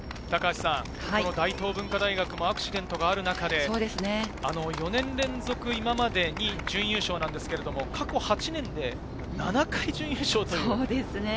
大東文化大学もアクシデントがある中で４年連続、今まで２位、準優勝ですけど、過去８年で７回準優勝という。